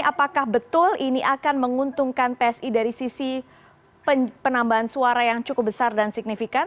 apakah betul ini akan menguntungkan psi dari sisi penambahan suara yang cukup besar dan signifikan